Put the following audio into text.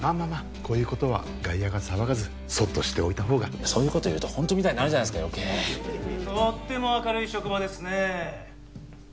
こういうことは外野が騒がずそっとしておいた方がそういうこと言うとホントみたいになるじゃないですか余計とっても明るい職場ですね